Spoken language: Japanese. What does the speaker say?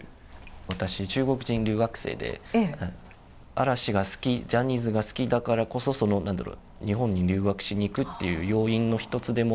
私、中国人留学生で嵐が好き、ジャニーズが好きだからこそ日本に留学しに行く要因の一つでも。